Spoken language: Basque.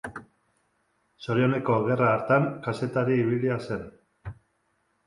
Zorioneko gerra hartan kazetari ibilia zen.